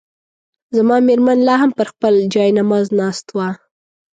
زما مېرمن لا هم پر خپل جاینماز ناست وه.